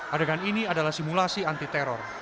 adegan ini adalah simulasi anti teror